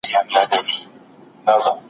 د بنسټونو تر منځ اړيکي بايد ټينګي سي.